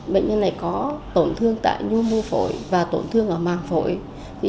bệnh nhân này có tổn thương tại nhu mô phổi và tổn thương ở màng phổi